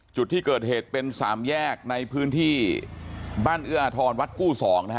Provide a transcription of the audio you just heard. จุดที่เกิดเหตุเป็น๓แยกในพื้นที่บ้านเอื้อลิ้วอาทอนแห่งวัดกู้๓